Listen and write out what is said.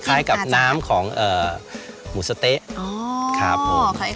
คล้ายกับน้ำของหมูสะเต๊ะครับผม